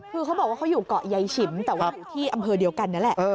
คือเขาบอกว่าเขาอยู่เกาะยายฉิมแต่ว่าอยู่ที่อำเภอเดียวกันนั่นแหละ